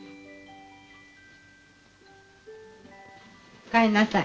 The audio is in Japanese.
おかえりなさい。